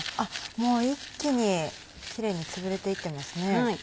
もう一気にキレイにつぶれていってますね。